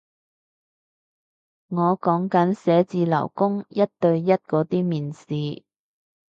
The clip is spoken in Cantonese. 我講緊寫字樓工一對一嗰啲面試